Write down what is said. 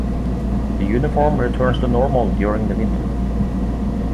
The uniform returns to normal during the winter.